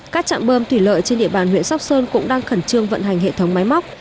các trạm bơm thủy lợi trên địa bàn huyện sóc sơn cũng đang khẩn trương vận hành hệ thống máy móc